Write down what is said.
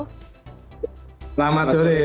terima kasih atas dialognya selamat sore dokter sehat selalu